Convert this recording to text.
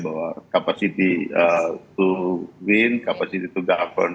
bahwa kapasiti to win kapasiti to govern tentu